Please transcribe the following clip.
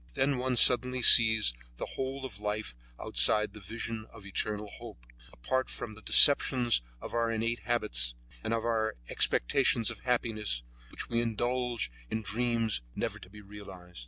Then one suddenly sees the whole of life outside the vision of eternal hope, apart from the deceptions of our innate habits, and of our expectations of happiness, which we indulge in dreams never to be realized.